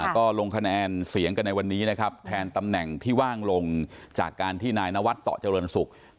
ก็ลงคะแนนเสียงกันในวันนี้นะครับแทนตำแหน่งที่ว่างลงจากการที่นายนวัดต่อเจริญศุกร์